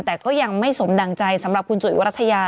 แต่ก็ยังไม่สมดั่งใจสำหรับคุณจุ๋ยวรัฐยา